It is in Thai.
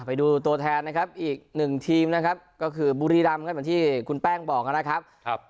ไปดูตัวแทนนะครับอีก๑ทีมนะครับก็คือบูรีรำที่คุณแป้งบอกกันนะครับ